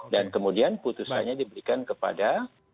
dan kemudian putusannya diberikan kepada